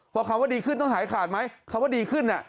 พอคำว่าดีขึ้นต้องหายขาดไหมคำว่าดีขึ้น